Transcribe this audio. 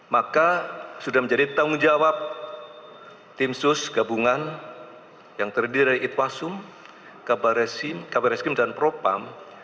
maka sudah menjadi tanggung jawab tim sus gabungan yang terdiri dari itwasum kbrskim dan propam